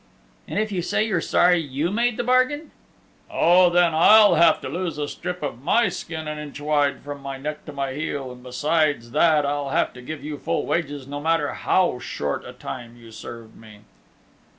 '" "And if you say you're sorry you made the bargain?" "Oh, then I'll have to lose a strip of my skin an inch wide from my neck to my heel, and besides that I'll have to give you full wages no matter how short a time you served me."